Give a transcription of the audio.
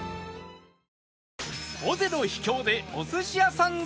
尾瀬の秘境でお寿司屋さん探し